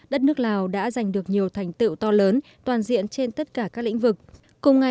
đại biển lâm thời nguyễn thanh tùng